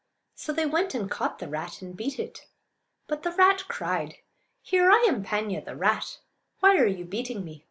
So they went and caught the rat and beat it. But the rat cried: "Here! I am Paan'ya, the rat. Why are you beating me?